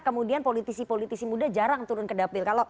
kemudian politisi politisi muda jarang turun ke dapil